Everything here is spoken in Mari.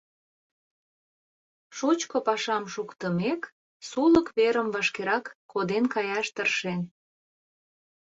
Шучко пашам шуктымек, сулык верым вашкерак коден каяш тыршен.